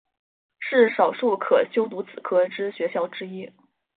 是少数可修读此科之学校之一。